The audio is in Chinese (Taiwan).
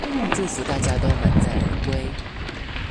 祝福大家都滿載而歸